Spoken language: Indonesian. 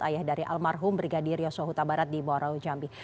ayah dari almarhum brigadir yosua huta barat di muarau jambi